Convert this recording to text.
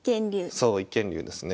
そう一間竜ですね。